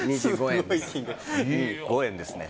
２５円ですね。